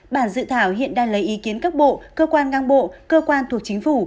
bản dự thảo hiện đang lấy ý kiến các bộ cơ quan ngang bộ cơ quan thuộc chính phủ